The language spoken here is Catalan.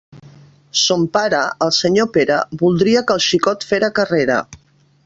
Son pare, el senyor Pere, voldria que el xicot «fera carrera».